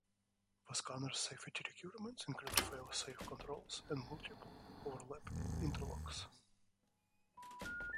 The scanners' safety requirements include fail-safe controls and multiple overlapping interlocks.